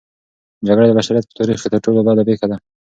جګړه د بشریت په تاریخ کې تر ټولو بده پېښه ده.